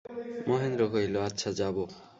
মহেন্দ্র কহিল, আচ্ছা যাব।